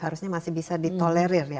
harusnya masih bisa ditolerir ya